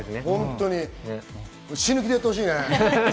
死ぬ気でやってほしいね。